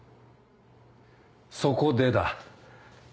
そこでだ